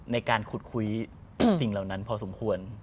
ในการขุดคุยสิ่งเหล่านั้นพอสมควร